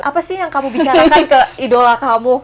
apa sih yang kamu bicarakan ke idola kamu